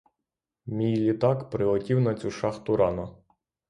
Мій літак прилетів на цю шахту рано.